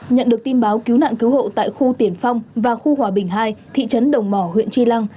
nhận được tin báo cứu nạn cứu hộ tại khu tiển phong và khu hòa bình hai thị trấn đồng mỏ huyện tri lăng